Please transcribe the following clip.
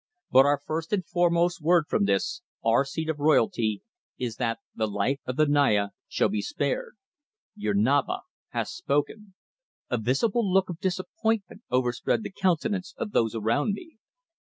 But our first and foremost word from this, our seat of royalty, is that the life of the Naya shall be spared. Your Naba hath spoken." A visible look of disappointment overspread the countenances of those around me.